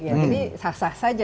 jadi sah sah saja